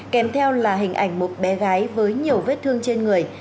kèm theo là hình ảnh một bé gái với nhiều vết thương trên người